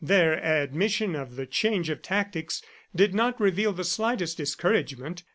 ... Their admission of the change of tactics did not reveal the slightest discouragement.